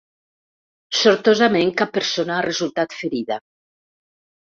Sortosament cap persona ha resultat ferida.